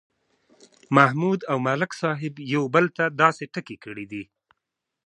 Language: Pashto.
محمود او ملک صاحب یو بل ته داسې ټکي کړي دي